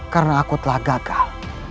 karena aku telah gagal